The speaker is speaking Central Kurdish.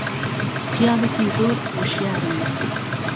پیاوێکی زۆر وشیارم